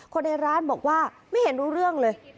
คนในร้านบอกว่าไม่เห็นรู้เรื่องเลย